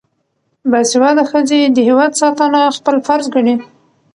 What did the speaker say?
باسواده ښځې د هیواد ساتنه خپل فرض ګڼي.